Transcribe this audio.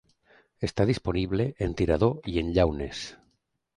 Està disponible en tirador i en llaunes.